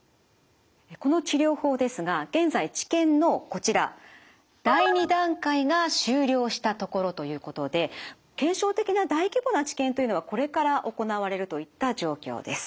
この治療法ですが現在治験のこちら第２段階が終了したところということで検証的な大規模な治験というのはこれから行われるといった状況です。